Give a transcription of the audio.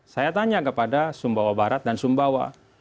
saya tanya kepada sumbawa barat dan sumbawa